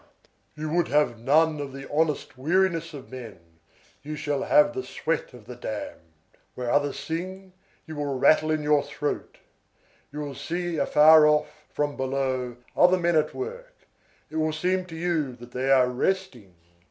You would have none of the honest weariness of men, you shall have the sweat of the damned. Where others sing, you will rattle in your throat. You will see afar off, from below, other men at work; it will seem to you that they are resting.